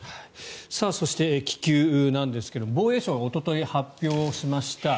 そして、気球なんですが防衛省がおととい発表しました。